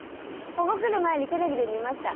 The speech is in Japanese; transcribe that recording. ここ来る前にテレビで見ました。